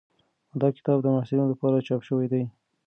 دا کتاب د محصلینو لپاره چاپ شوی دی.